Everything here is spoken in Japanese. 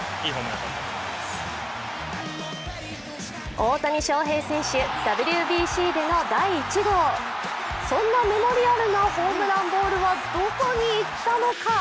大谷翔平選手、ＷＢＣでの第１号そんなメモリアルなホームランボールはどこにいったのか。